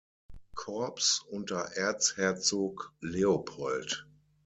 Korps unter Erzherzog Leopold.